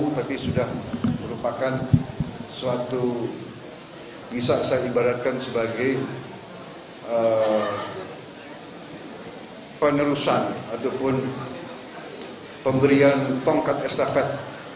tapi sudah merupakan suatu bisa saya ibaratkan sebagai penerusan ataupun pemberian tongkat estafet